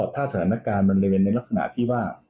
ถ้าสถานการณ์มันเรียนในลักษณะที่ว่า